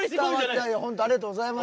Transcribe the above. いやいや本当ありがとうございます。